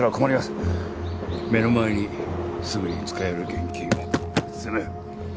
目の前にすぐに使える現金を積む。